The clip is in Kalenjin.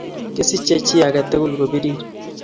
kisiche chi age tugul ko birir